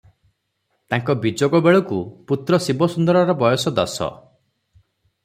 ତାଙ୍କ ବିଯୋଗ ବେଳକୁ ପୁତ୍ର ଶିବସୁନ୍ଦରର ବୟସ ଦଶ ।